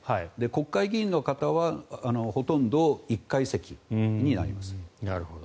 国会議員の方はほとんど１階席になります。